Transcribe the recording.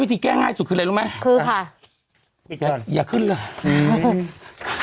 ที่แก้ง่ายสุดคืออะไรรู้ไหมคือค่ะอย่าขึ้นเลยอืม